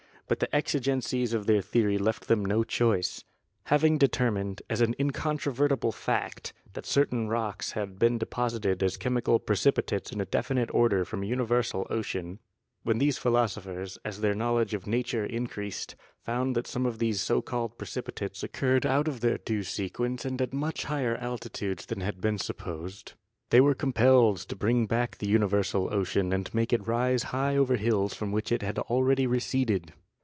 But the exigencies of their theory left them no choice. Having determined, as an in controvertible fact, that certain rocks had been deposited WERNER AND HUTTON 57 as chemical precipitates in a definite order from a uni versal ocean, when these philosophers, as their knowledge of Nature increased, found that some of these so called precipitates occurred out of their due sequence and at much higher altitudes than had been supposed, they were compelled to bring back the universal ocean and make it rise high over hills from which it had already receded.